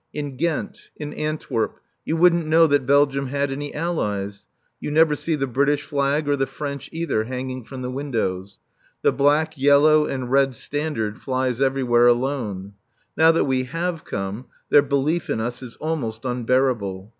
In Ghent, in Antwerp, you wouldn't know that Belgium had any allies; you never see the British flag, or the French either, hanging from the windows. The black, yellow and red standard flies everywhere alone. Now that we have come, their belief in us is almost unbearable.